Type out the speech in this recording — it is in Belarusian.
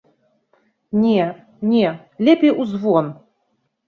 Не, не, лепей у звон.